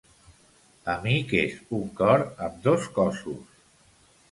Amic és un cor amb dos cossos.